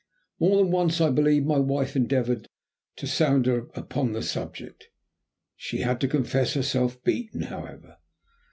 More than once, I believe, my wife endeavoured to sound her upon the subject. She had to confess herself beaten, however.